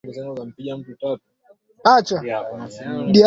Uteuzi wa wakuu wa mikoa ulianza leo Jumamosi Mei kumi na tano